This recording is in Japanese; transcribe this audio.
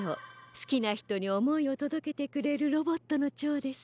すきなひとにおもいをとどけてくれるロボットのチョウです。